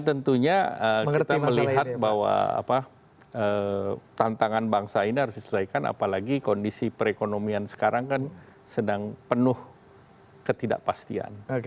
dan tentunya kita melihat bahwa tantangan bangsa ini harus diselesaikan apalagi kondisi perekonomian sekarang kan sedang penuh ketidakpastian